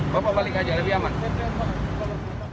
bapak balik aja lebih aman